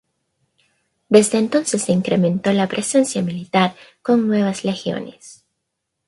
Desde entonces se incrementó la presencia militar con nuevas legiones.